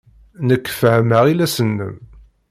Nekk fehhmeɣ iles-nnem.